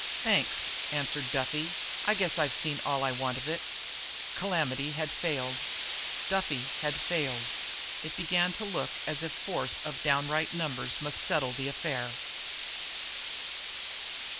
"Thanks," answered Duffy. "I guess I've seen all I want of it." Calamity had failed; Duffy had failed. It began to look as if force of downright numbers must settle the affair.